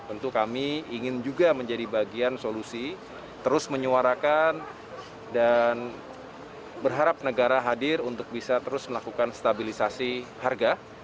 untuk kami ingin juga menjadi bagian solusi terus menyuarakan dan berharap negara hadir untuk bisa terus melakukan stabilisasi harga